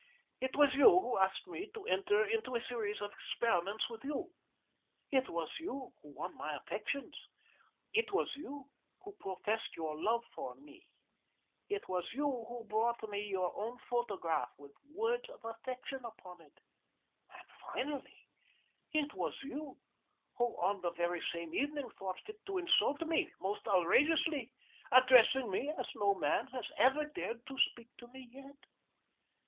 It was you who asked me to enter into a series of experiments with you, it was you who won my affections, it was you who professed your love for me, it was you who brought me your own photograph with words of affection upon it, and, finally, it was you who on the very same evening thought fit to insult me most outrageously, addressing me as no man has ever dared to speak to me yet.